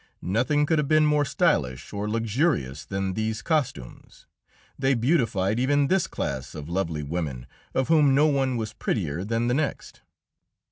Nothing could have been more stylish or luxurious than these costumes; they beautified even this class of lovely women, of whom no one was prettier than the next.